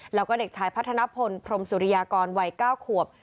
แล้วก็เด็กชายพัฒนพลพรมสุริยากรวัย๙ขวบ